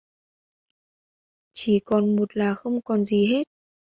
Chỉ còn một là không còn gì hết